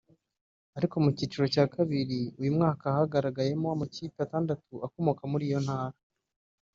ariko mu cyiciro cya kabiri uyu mwaka hagaragayemo amakipe atandatu akomoka muri iyo ntara